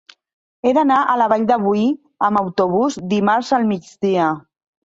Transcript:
He d'anar a la Vall de Boí amb autobús dimarts al migdia.